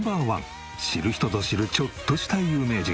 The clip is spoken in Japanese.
知る人ぞ知るちょっとした有名人。